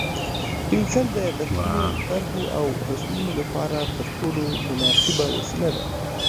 پنسل د یادښتونو، طرحو او رسمونو لپاره تر ټولو مناسبه وسیله ده.